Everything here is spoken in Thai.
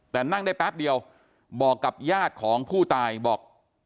แต่นั่งได้แป๊บเดียวบอกกับญาติของผู้ตายบอก